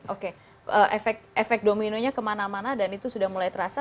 oke efek dominonya kemana mana dan itu sudah mulai terasa